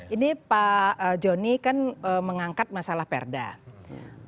ini pak jonny kan mengangkat masalah perdagangan